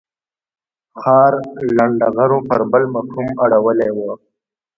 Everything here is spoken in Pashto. ښار لنډه غرو پر بل مفهوم اړولې وه.